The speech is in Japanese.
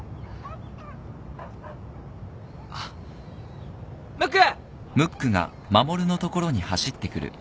あっムック。